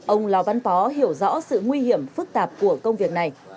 ông lò văn pó hiểu rõ sự nguy hiểm phức tạp của công việc này